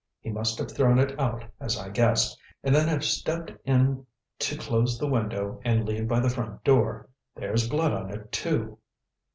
He must have thrown it out, as I guessed, and then have stepped in to close the window and leave by the front door. There's blood on it, too."